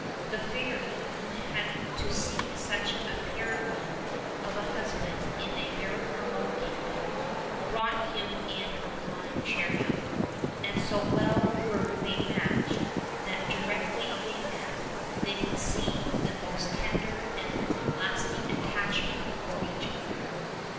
The fairy, who had to seek such a paragon of a husband in a very remote kingdom, brought him in her flying chariot; and so well were they matched that, directly they met, they conceived the most tender and lasting attachment for each other.